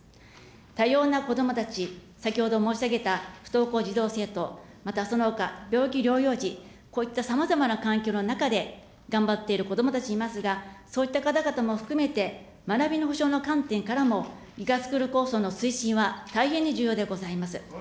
多様なこどもたち、先ほど申し上げた不登校児童・生徒、またそのほか、病気療養時、こういったさまざまな環境の中で頑張っているこどもたちいますが、そういった方々も含めて、学びの保障の観点からも、ＧＩＧＡスクール構想の推進は大変に重要でございます。